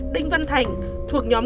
đinh văn thành thuộc nhóm